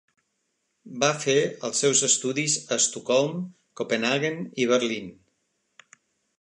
Va fer els seus estudis a Estocolm, Copenhaguen i Berlín.